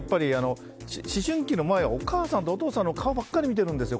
思春期の前はお母さんとお父さんの顔ばっかり見てるんですよ。